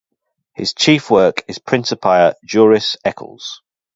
His chief work is Principia juris eccles.